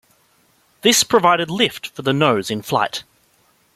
This provided lift for the nose in flight.